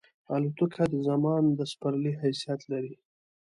الوتکه د زمان د سپرلۍ حیثیت لري.